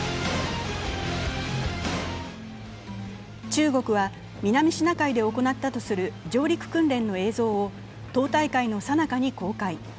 中国は南シナ海で行ったとされる上陸訓練の映像を党大会のさなかに公開。